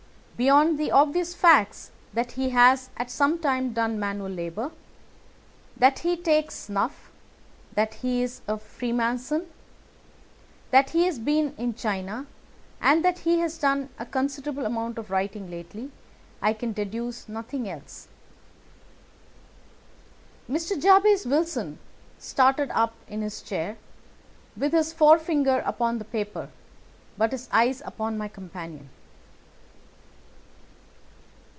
"Beyond the obvious facts that he has at some time done manual labour, that he takes snuff, that he is a Freemason, that he has been in China, and that he has done a considerable amount of writing lately, I can deduce nothing else." Mr. Jabez Wilson started up in his chair, with his forefinger upon the paper, but his eyes upon my companion.